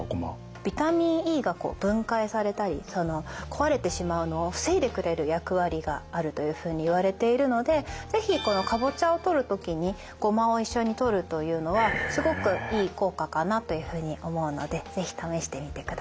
ビタミンＥが分解されたり壊れてしまうのを防いでくれる役割があるというふうにいわれているので是非このカボチャをとる時にゴマを一緒にとるというのはすごくいい効果かなというふうに思うので是非試してみてください。